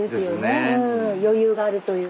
余裕があるという。